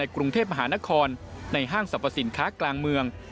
กรุงเทพมหานครในห้างสรรพสินค้ากลางเมือง